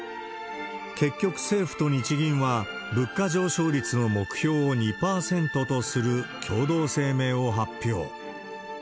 結局、政府と日銀は物価上昇率の目標を２％とする共同声明を発表。